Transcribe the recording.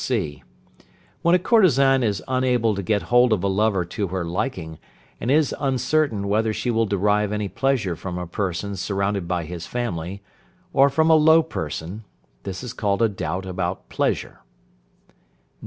(c). When a courtesan is unable to get hold of a lover to her liking, and is uncertain whether she will derive any pleasure from a person surrounded by his family, or from a low person, this is called a doubt about pleasure.